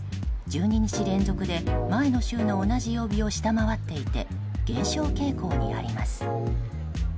１２日連続で前の週の同じ曜日を下回っていて減少傾向にあります。